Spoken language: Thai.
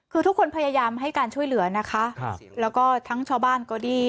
คือทุกคนพยายามให้การช่วยเหลือนะคะแล้วก็ทั้งชาวบ้านก็ดี